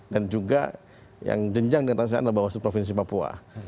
dan juga yang jenjang dengan tersendal bawaslu provinsi papua